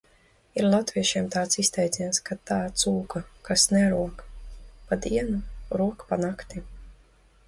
Ir latviešiem tāds izteiciens, ka tā cūka, kas nerok pa dienu, rok pa nakti.